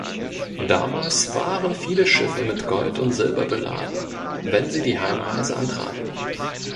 Damals waren viele Schiffe mit Gold und Silber beladen, wenn sie die Heimreise antraten.